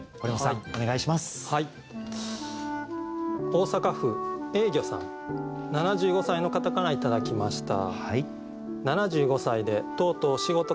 大阪府えいぎょさん７５歳の方から頂きました。